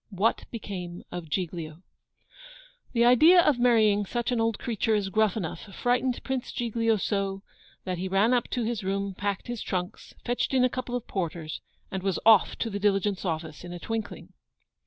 WHAT BECAME OF GIGLIO The idea of marrying such an old creature as Gruffanuff frightened Prince Giglio so, that he ran up to his room, packed his trunks, fetched in a couple of porters, and was off to the diligence office in a twinkling.